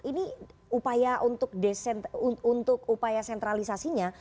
ini upaya untuk desentralisasinya